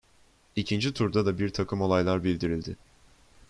İkinci turda da bir takım olaylar bildirildi.